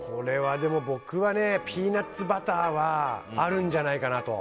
僕はピーナッツバターはあるんじゃないかなと。